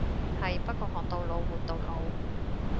係，不過學到老活到老。